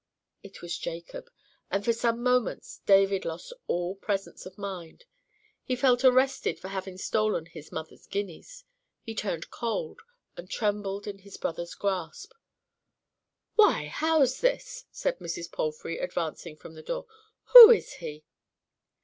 It was Jacob, and for some moments David lost all presence of mind. He felt arrested for having stolen his mother's guineas. He turned cold, and trembled in his brother's grasp. "Why, how's this?" said Mr. Palfrey, advancing from the door. "Who is he?"